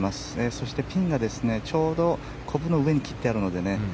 そしてピンがちょうどコブの上に切ってあるのでね